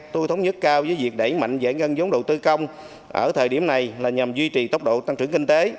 tôi thống nhất cao với việc đẩy mạnh giải ngân vốn đầu tư công ở thời điểm này là nhằm duy trì tốc độ tăng trưởng kinh tế